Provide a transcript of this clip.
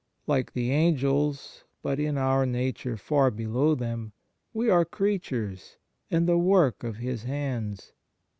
Like the Angels but in our nature far below them we are creatures, and the work of His hands.